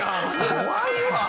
怖いわ。